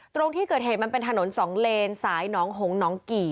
ตรงที่เกิดเหตุมันเป็นถนนสองเลนสายหนองหงหนองกี่